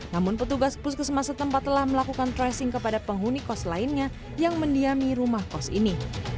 namun petugas puskesmasa tempat telah melakukan tracing kepada penghuni kos lainnya yang mendiami rumah kos ini